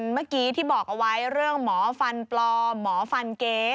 เมื่อกี้ที่บอกเอาไว้เรื่องหมอฟันปลอมหมอฟันเก๊